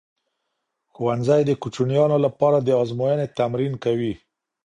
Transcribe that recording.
ښوونځی د کوچنیانو لپاره د ازمويني تمرین کوي.